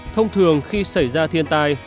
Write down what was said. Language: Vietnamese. thông thường khi xảy ra thiên tai